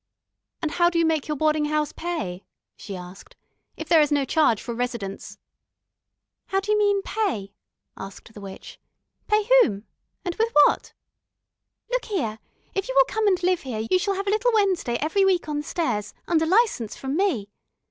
"And how do you make your boarding house pay," she asked, "if there is no charge for residence?" "How d'you mean pay?" asked the witch. "Pay whom? And what with? Look here, if you will come and live here you shall have a little Wednesday every week on the stairs, under license from me.